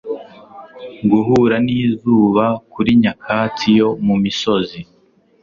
Guhura n'izuba kuri nyakatsi yo mu misozi;